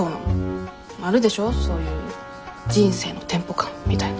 あるでしょそういう人生のテンポ感みたいな。